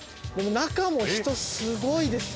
中も人すごいです。